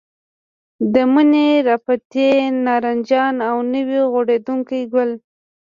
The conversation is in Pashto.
د مني راپاتې نارنجان او نوي غوړېدونکي ګل.